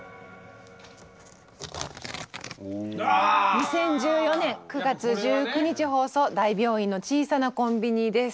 ２０１４年９月１９日放送「大病院の小さなコンビニ」です。